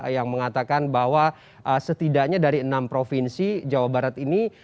yang mengatakan bahwa setidaknya dari enam provinsi jawa barat ini